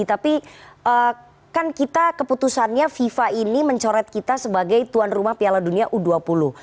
tapi kan kita keputusannya fifa ini mencoret kita sebagai tuan rumah piala dunia u dua puluh